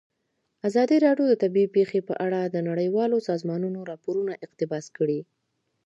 ازادي راډیو د طبیعي پېښې په اړه د نړیوالو سازمانونو راپورونه اقتباس کړي.